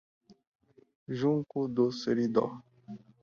Junco do Seridó